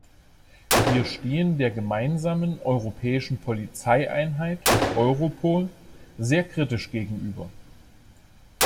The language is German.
Wir stehen der gemeinsamen europäischen Polizeieinheit Europol sehr kritisch gegenüber.